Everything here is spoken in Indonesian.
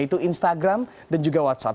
itu instagram dan juga whatsapp